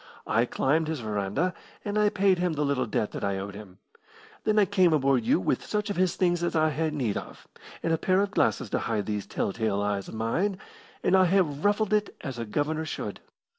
I climbed his verandah, and I paid him the little debt that I owed him. Then I came aboard you with such of his things as I had need of, and a pair of glasses to hide these tell tale eyes of mine, and I have ruffled it as a governor should.